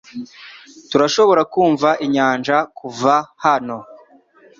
Turashobora kumva inyanja kuva hano.